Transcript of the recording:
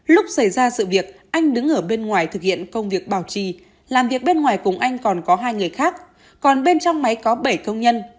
lúc xảy ra sự việc anh đứng ở bên ngoài thực hiện công việc bảo trì làm việc bên ngoài cùng anh còn có hai người khác còn bên trong máy có bảy công nhân